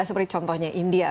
seperti contohnya india